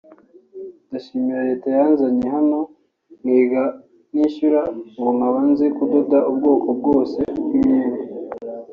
ndashima leta yanzanye hano nkiga ntishyura ubu nkaba nzi kudoda ubwoko bwose bw’imyenda